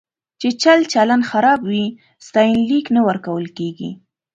چې چلچلن خراب وي، ستاینلیک نه ورکول کېږي.